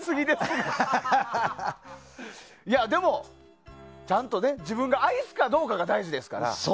でも、ちゃんと自分が愛すかどうかが大事ですから。